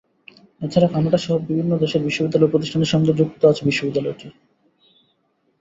এ ছাড়া কানাডাসহ বিভিন্ন দেশের বিশ্ববিদ্যালয় ও প্রতিষ্ঠানের সঙ্গে যুক্ত আছে বিশ্ববিদ্যালয়টি।